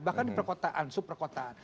bahkan di perkotaan sub perkotaan